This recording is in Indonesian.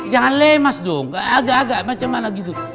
jangan lemas dong agak agak bagaimana gitu